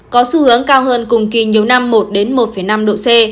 có xu hướng cao hơn cùng kỳ nhiều năm một năm độ c